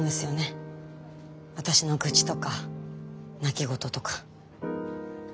私の愚痴とか泣き言とか。